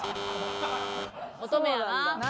乙女やな。